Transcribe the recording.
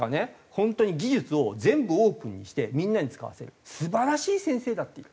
本当に技術を全部オープンにしてみんなに使わせる素晴らしい先生だっていう。